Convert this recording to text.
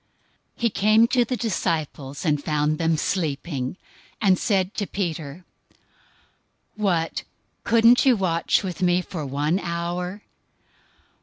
026:040 He came to the disciples, and found them sleeping, and said to Peter, "What, couldn't you watch with me for one hour?